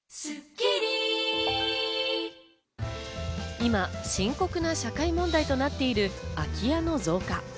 今、深刻な社会問題となっている空き家の増加。